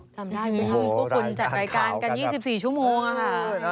จำได้ไหมพวกคุณจัดรายการกัน๒๔ชั่วโมงค่ะ